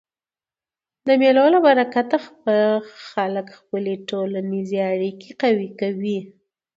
د مېلو له برکته خلک خپلي ټولنیزي اړیکي قوي کوي.